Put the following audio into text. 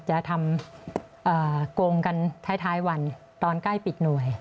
จะทำโกงกันท้ายวันตอนใกล้ปิดหน่วย